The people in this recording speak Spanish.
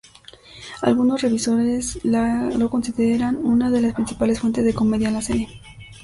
Algunos revisores lo consideran una de las principales fuentes de comedia en la serie.